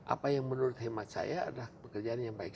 apa yang menurut hemat saya adalah pekerjaan yang baik